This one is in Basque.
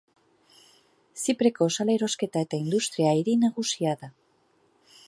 Zipreko salerosketa eta industria hiri nagusia da.